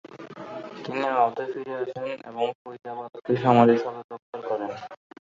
তিনি আওধে ফিরে আসেন এবং ফৈজাবাদকে সামরিক সদরদপ্তর করেন।